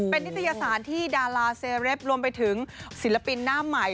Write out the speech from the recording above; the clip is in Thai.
เป็นนิตยสารที่ดาราเซเรปรวมไปถึงศิลปินหน้าใหม่